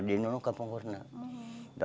di nunuknya ke punggol